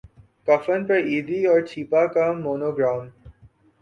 کفن پر ایدھی اور چھیپا کا مونو گرام